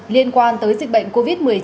liên quan tới dịch bệnh covid một mươi chín